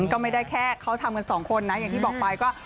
ก็ไม่ได้แค่เขาทำกันสองคนนะอย่างที่บอกไปก็